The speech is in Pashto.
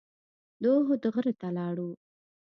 د احد غره ته لاړو.